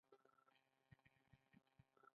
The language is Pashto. د سیند له پاسه یو ډول خوپ وو.